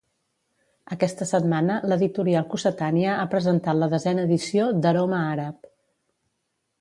Aquesta setmana, l'editorial Cossetània ha presentat la desena edició d'Aroma àrab.